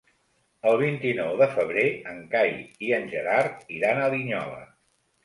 El vint-i-nou de febrer en Cai i en Gerard iran a Linyola.